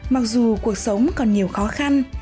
mặc dù cuộc sống còn nhiều khó khăn